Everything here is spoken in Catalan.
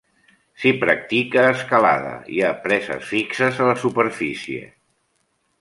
S'hi practica escalada: hi ha preses fixes a la superfície.